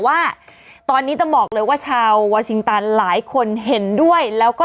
ว่าตอนนี้ต้องบอกเลยว่าชาววาชิงตันหลายคนเห็นด้วยแล้วก็